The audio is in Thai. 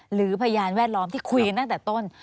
พยานแวดล้อมที่คุยกันตั้งแต่ต้น